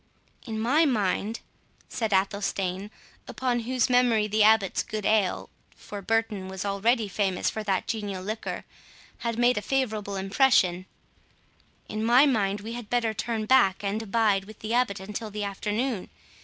"In my mind," said Athelstane, upon whose memory the Abbot's good ale (for Burton was already famous for that genial liquor) had made a favourable impression,—"in my mind we had better turn back, and abide with the Abbot until the afternoon.